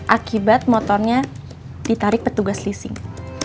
akibat motornya ditarik petugas leasing